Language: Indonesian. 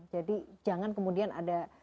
jadi jangan kemudian ada